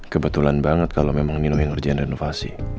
kebetulan banget kalau memang nino yang kerjaan renovasi